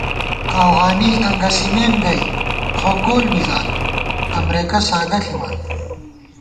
اَوغانی انگَسِمېن گئ خو کول مِزان امرېکہ ساگہ ݪِمان